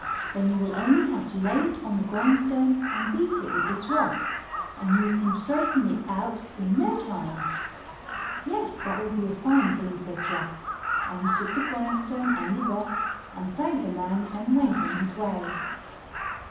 Then you will only have to lay it on the grindstone and beat it with this rock, and you can straighten it out in no time." "Yes, that will be a fine thing," said Jack, and he took the grindstone and the rock and thanked the man and went on his way.